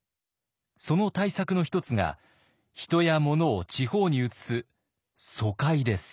その対策の一つが人や物を地方に移す疎開です。